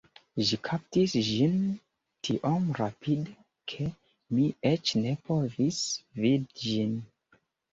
Ĝi kaptis ĝin tiom rapide, ke mi eĉ ne povis vidi ĝin